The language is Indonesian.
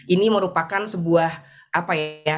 ini merupakan sebuah apa ya